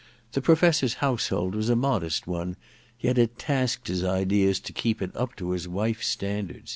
The Professor's household was a modest one, yet it tasked his ideas to keep it up to his wife's standard.